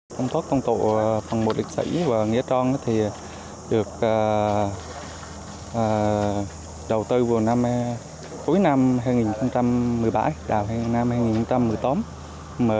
công thuốc công tộ phần một liệt sĩ và nghĩa trang được đầu tư cuối năm hai nghìn một mươi bảy đào năm hai nghìn một mươi tám